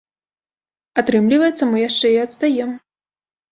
Атрымліваецца, мы яшчэ і адстаем.